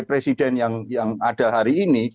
presiden yang ada hari ini